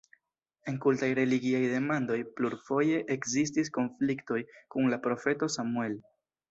En kultaj-religiaj demandoj plurfoje ekzistis konfliktoj kun la profeto Samuel.